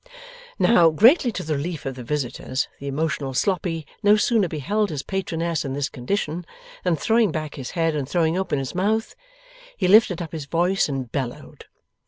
Now, greatly to the relief of the visitors, the emotional Sloppy no sooner beheld his patroness in this condition, than, throwing back his head and throwing open his mouth, he lifted up his voice and bellowed.